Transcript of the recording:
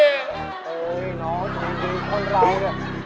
โอ้ยน้องน้องดีคนราวเนี่ย